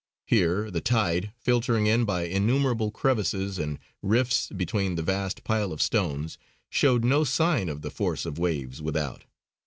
Here, the tide, filtering in by innumerable crevices and rifts between the vast pile of stones, showed no sign of the force of waves without.